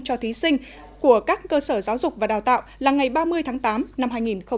cho thí sinh của các cơ sở giáo dục và đào tạo là ngày ba mươi tháng tám năm hai nghìn một mươi chín